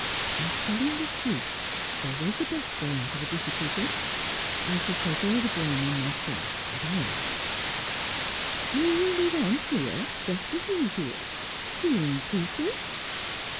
"By telling the truth always the best way out of a difficulty. I shall take all the blame on myself, as I ought." "And you will live on here, just as usual, seeing people